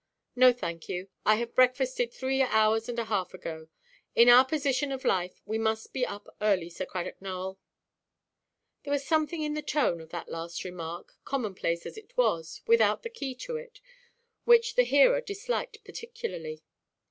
"No, thank you. I have breakfasted three hours and a half ago. In our position of life, we must be up early, Sir Cradock Nowell." There was something in the tone of that last remark, common–place as it was, without the key to it, which the hearer disliked particularly.